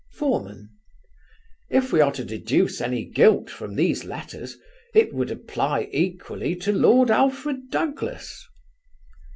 Foreman: "If we are to deduce any guilt from these letters, it would apply equally to Lord Alfred Douglas."